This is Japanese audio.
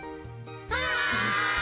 はい！